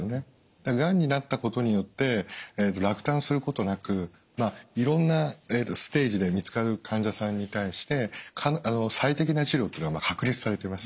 だからがんになったことによって落胆することなくいろんなステージで見つかる患者さんに対して最適な治療っていうのは確立されてます。